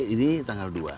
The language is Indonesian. ini tanggal dua